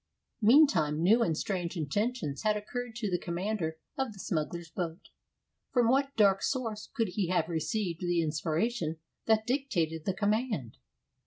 Meantime new and strange intentions had occurred to the commander of the smugglers' boat. From what dark source could he have received the inspiration that dictated the command?